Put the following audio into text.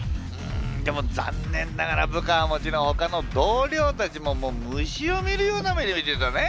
でも残念ながら部下はもちろんほかの同僚たちも虫を見るような目で見てたね。